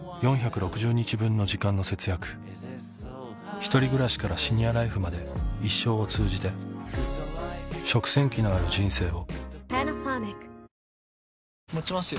ひとり暮らしからシニアライフまで生を通じて、っていうのがあって実は。